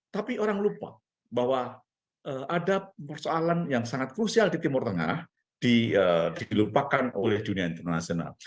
tapi orang lupa bahwa ada persoalan yang sangat krusial di timur tengah dilupakan oleh dunia internasional